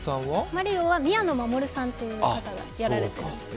マリオは宮野真守さんという方がやられています。